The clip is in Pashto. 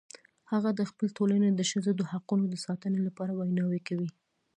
هغه د خپل ټولنې د ښځو د حقونو د ساتنې لپاره ویناوې کوي